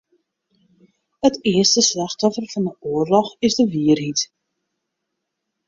It earste slachtoffer fan 'e oarloch is de wierheid.